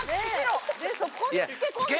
そこにつけこんで。